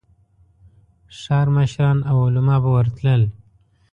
ښار مشران او علماء به ورتلل.